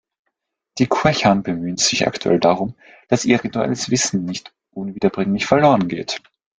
Die Quechan bemühen sich aktuell darum, dass ihr rituelles Wissen nicht unwiederbringlich verloren geht.